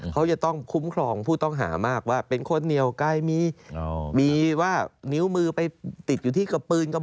เขาจะต้องคุ้มครองผู้ต้องหามากว่าเป็นคนเหนียวไกลมีว่านิ้วมือไปติดอยู่ที่กระปืนก็